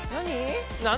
何？